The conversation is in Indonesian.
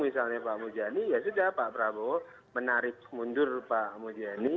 misalnya pak mujani ya sudah pak prabowo menarik mundur pak mujani